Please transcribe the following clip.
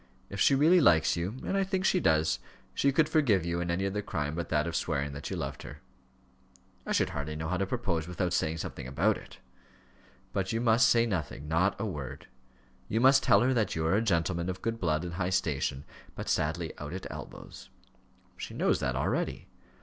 If she really likes you and I think she does she could forgive you any other crime but that of swearing that you loved her." "I should hardly know how to propose without saying something about it." "But you must say nothing not a word; you must tell her that you are a gentleman of good blood and high station, but sadly out at elbows." "She knows that already."